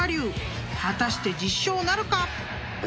［果たして実証なるか？］いくぞ？